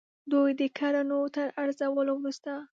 دوی د کړنو تر ارزولو وروسته.